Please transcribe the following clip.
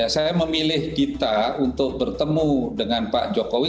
saya memilih dita untuk bertemu dengan pak jokowi